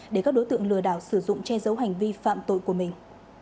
để các đối tượng lừa đảo sử dụng che giấu hành vi phạm tội của mình